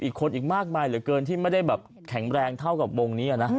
อีกคนอีกมากมายเหลือเกินที่ไม่ได้แบบแข็งแรงเท่ากับวงนี้นะ